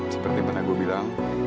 seperti mana gue bilang